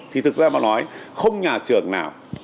thì thực ra mà nói không nhà trường nào